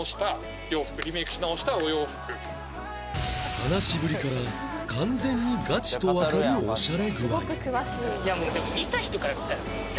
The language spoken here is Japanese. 話しぶりから完全にガチとわかるオシャレ具合